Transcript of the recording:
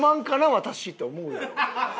私って思うやろ。